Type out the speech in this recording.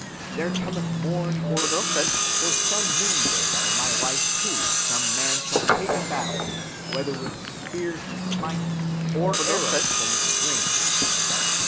There cometh morn or eve or some noonday when my life too some man shall take in battle, whether with spear he smite, or arrow from the string."